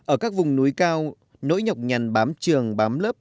ở các vùng núi cao nỗi nhọc nhằn bám trường bám lớp